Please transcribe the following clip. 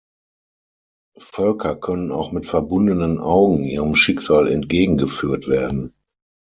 Völker können auch mit verbundenen Augen ihrem Schicksal entgegengeführt werden.